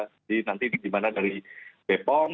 jadi nanti di mana dari bpom